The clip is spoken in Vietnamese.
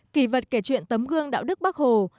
kỳ vật kể chuyện tấm gương đạo đức bắc hồ